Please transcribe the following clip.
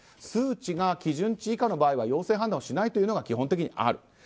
数値が基準値以下の場合は陽性判断をしないというのが基本的にある。